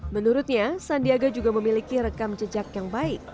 menurutnya sandiaga juga memiliki rekam jejak yang baik